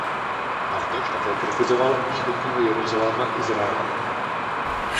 Bartoš také kritizoval Východního Jeruzaléma Izraelem.